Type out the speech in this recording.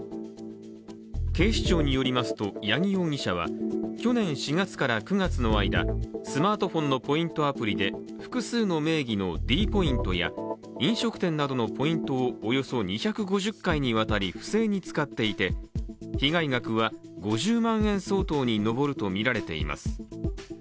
警視庁によりますと八木容疑者は去年４月から９月の間スマートフォンのポイントアプリで複数の名義のｄポイントや飲食店などのポイントをおよそ２５０回にわたり不正に使っていて被害額は５０万円相当に上るとみられています。